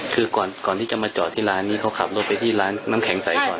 คือก่อนที่จะมาจอดที่ร้านนี้เขาขับรถไปที่ร้านน้ำแข็งใสก่อน